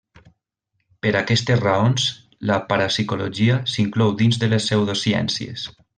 Per aquestes raons la parapsicologia s'inclou dins de les pseudociències.